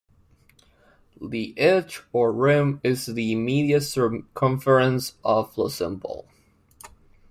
The edge or rim is the immediate circumference of the cymbal.